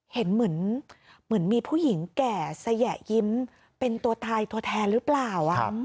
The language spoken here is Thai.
เห็นเหมือนมีผู้หญิงแก่สยะยิ้มเป็นตัวตายตัวแทนหรือเปล่า